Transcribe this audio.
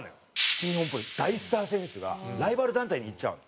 新日本プロレスの大スター選手がライバル団体に行っちゃうの。